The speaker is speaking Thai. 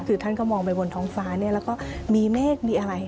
คือท่านก็มองไปบนท้องฟ้าเนี่ยแล้วก็มีเมฆมีอะไร